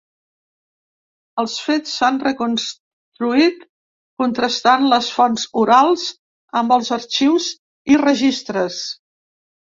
Els fets s’han reconstruït contrastant les fonts orals amb els arxius i registres.